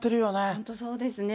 本当、そうですよね。